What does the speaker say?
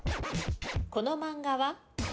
この漫画は？